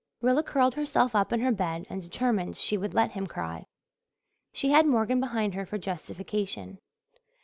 Rilla curled herself up in her bed and determined she would let him cry. She had Morgan behind her for justification.